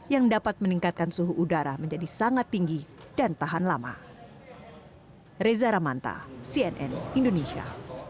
yang dapat meningkatkan suhu udara menjadi sangat tinggi dan tahan lama